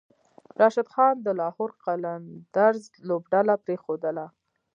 راشد خان د لاهور قلندرز لوبډله پریښودله